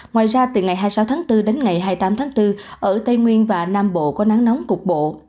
ngoài ra từ ngày hai mươi sáu tháng bốn đến ngày hai mươi tám tháng bốn ở tây nguyên và nam bộ có nắng nóng cục bộ